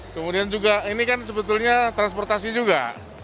kemudian juga ini kan sebetulnya transportasi juga